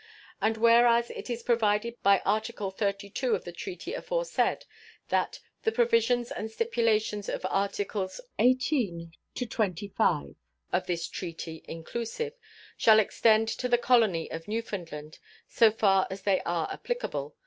And whereas it is provided by Article XXXII of the treaty aforesaid that The provisions and stipulations of Articles XVIII to XXV of this treaty, inclusive, shall extend to the colony of Newfoundland so far as they are applicable.